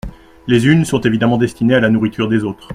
Les unes sont évidemment destinées à la nourriture des autres.